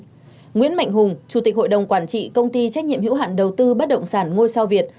đỗ anh dũng nguyễn mạnh hùng chủ tịch hội đồng quản trị công ty trách nhiệm hữu hạn đầu tư bất động sản ngôi sao việt